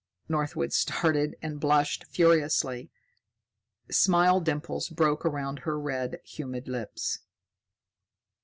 Northwood started and blushed furiously. Smile dimples broke around her red, humid lips.